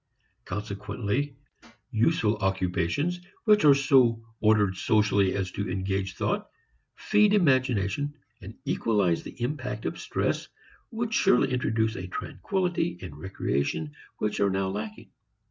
Consequently useful occupations which are so ordered socially as to engage thought, feed imagination and equalize the impact of stress would surely introduce a tranquillity and recreation which are now lacking.